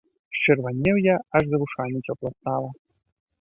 Счырванеў я, аж за вушамі цёпла стала.